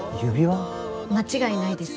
間違いないです。